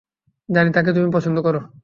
জানি তাকে তুমি পছন্দ করো।